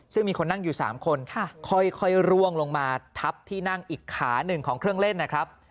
ซึ่งมีคนนั่งอยู่๓คนค่อยร่วงลงมาทับที่นั่งอีกขาหนึ่งของเครื่องเล่นนะครับ